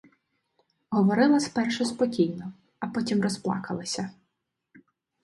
Говорила спершу спокійно, а потім розплакалася.